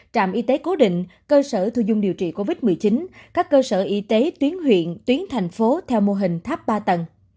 trạm y tế cố định cơ sở thu dung điều trị covid một mươi chín các cơ sở y tế tuyến huyện tuyến thành phố theo mô hình tháp ba tầng